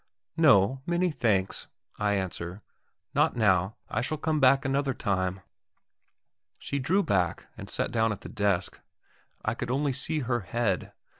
"No; many thanks," I answer. "Not now; I shall come back another time." She drew back, and sat down at the desk. I could only see her head.